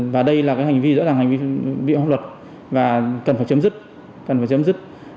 và đây là hành vi rõ ràng hành vi viễn hợp luật và cần phải chấm dứt